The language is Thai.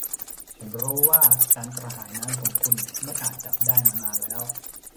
ฉันรู้ว่าการกระหายน้ำของคุณไม่อาจดับได้มานานแล้ว